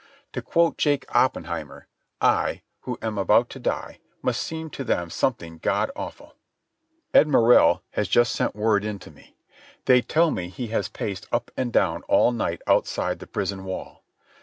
To quote Jake Oppenheimer: I, who am about to die, must seem to them something God awful. ... Ed Morrell has just sent word in to me. They tell me he has paced up and down all night outside the prison wall.